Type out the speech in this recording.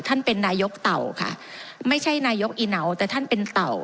ท่านเป็นนายกเต่าค่ะไม่ใช่นายกอีเหนาแต่ท่านเป็นเต่า